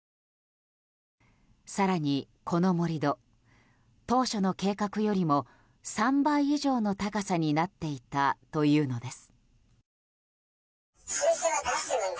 更にこの盛り土当初の計画よりも３倍以上の高さになっていたというのです。